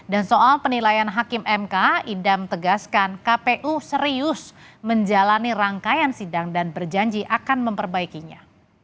dan soal penilaian hakim mk idam tegaskan kpu serius menjalani rangkaian sidang dan berjanji akan memperbaikinya